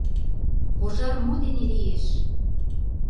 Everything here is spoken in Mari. — Пожар мо дене лиеш?